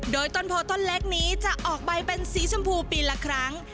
โดยต้นโพต้นเล็กนี้จะออกใบเป็นสีชมพูปีละครั้ง